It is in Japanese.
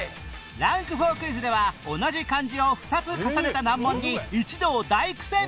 ランク４クイズでは同じ漢字を２つ重ねた難問に一同大苦戦！